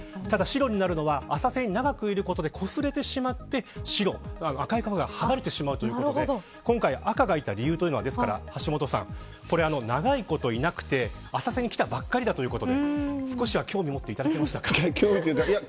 ただ、白になるの浅瀬に長くいることでこすれてしまって赤い皮がはがれてしまうということで今回赤がいた理由はこれ、長いこといなくて浅瀬にきたばかりだということで少しは興味持っていただけましたか。